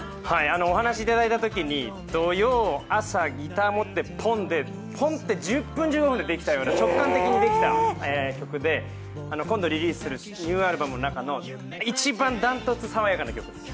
お話いただいたときに土曜、朝、ギター持ってポンで、１０分、１５分でできたような、直感的にできた曲で、今度リリースするニューアルバムの中の一番断トツ爽やかな曲です。